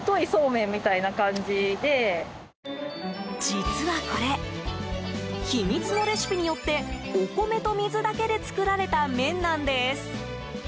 実はこれ秘密のレシピによってお米と水だけで作られた麺なんです。